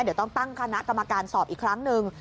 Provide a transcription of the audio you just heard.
เดี๋ยวต้องตั้งคณะกรรมการสอบอีกครั้งหนึ่ง